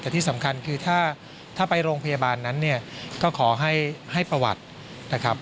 แต่ที่สำคัญคือถ้าไปโรงพยาบาลนั้นเนี่ยก็ขอให้ประวัตินะครับ